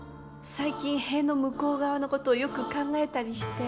最近塀の向こう側のことをよく考えたりして。